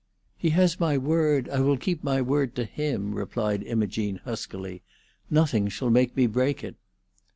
"He has my word. I will keep my word to him," replied Imogene huskily. "Nothing shall make me break it."